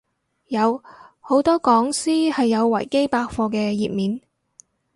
有，好多講師係有維基百科嘅頁面